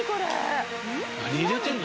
何入れてんの？